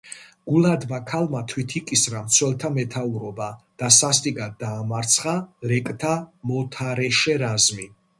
გულადმა ქალმა თვით იკისრა მცველთა მეთაურობა და სასტიკად დაამარცხა ლეკთა მოთარეშე რაზმი.